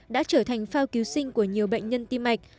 đã trở thành phao cứu sinh của nhiều bệnh nhân tim mạch